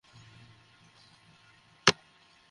চাইলে কানে মুঠোফোন ধরে কথা বলতে বলতে এপার থেকে ওপারে চলে যাবে।